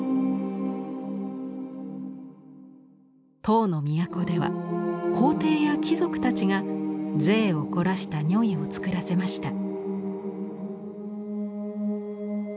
唐の都では皇帝や貴族たちが贅を凝らした如意を作らせました。